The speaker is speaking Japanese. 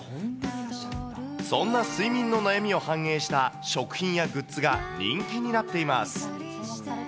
そんな睡眠の悩みを反映した食品やグッズが人気になっています。